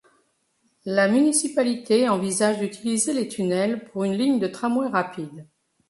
La municipalité envisage d'utiliser les tunnels pour une ligne de tramway rapide.